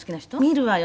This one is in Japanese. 見るわよ。